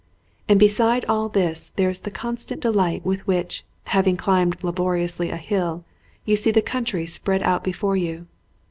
And beside all this there is the constant delight with which, having climbed laboriously a hill, you see the country spread out before you.